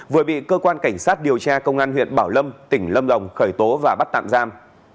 vừa bị cơ quan cảnh sát điều tra công an huyện bảo lâm tỉnh lâm đồng khởi tố và bắt tạm giam